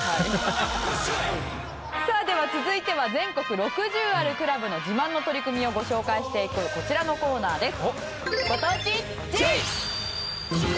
さあでは続いては全国６０あるクラブの自慢の取り組みをご紹介していくこちらのコーナーです。